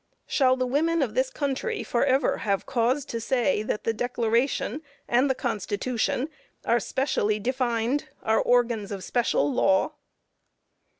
Shall the women of this country forever have cause to say that the declaration and the constitution are specially defined, are organs of special law?